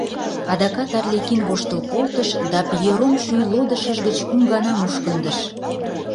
— адакат Арлекин воштыл колтыш да Пьером шӱйлодышыж гыч кум гана мушкындыш.